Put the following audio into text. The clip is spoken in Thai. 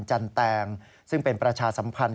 จันแตงซึ่งเป็นประชาสัมพันธ์